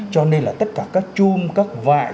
cho nên là tất cả các chum các vại